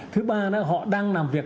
thứ ba họ đang làm việc